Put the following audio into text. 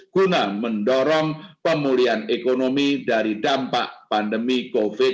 guna mendorong pemulihan ekonomi dari dampak pandemi covid sembilan belas